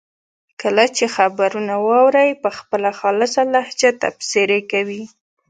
کله چې خبرونه واوري په خپله خالصه لهجه تبصرې کوي.